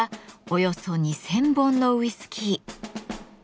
およそ２，０００本のウイスキー。